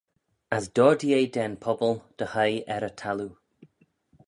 As doardee eh da'n pobble dy hoie er y thalloo.